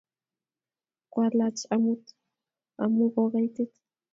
Kwalach amut amu ko kaitit